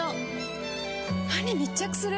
歯に密着する！